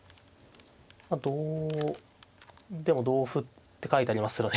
同でも同歩って書いてありますけどね